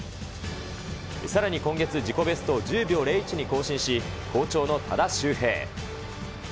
さらに今月自己ベストを１０秒０１に更新し、好調の多田修平。